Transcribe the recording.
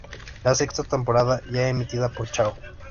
La sexta temporada, ya emitida por Yahoo!